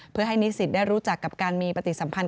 เพื่อให้นิสิตได้รู้จักกับการมีปฏิสัมพันธ